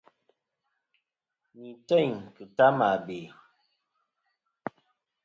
Ni têyn ki ta mà bè.